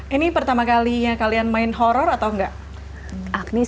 ini pertama kalinya kalian main horror atau enggak